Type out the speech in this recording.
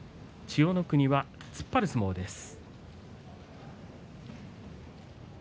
千代の国は、突っ張る相撲です。